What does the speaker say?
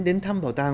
đến thăm bảo tàng